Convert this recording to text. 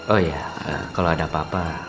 oh ya kalau ada apa apa